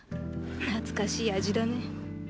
懐かしい味だね。